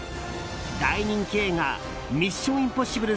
大人気映画「ミッション：インポッシブル」